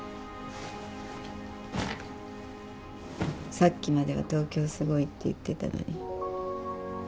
さっきまでは東京すごいって言ってたのに。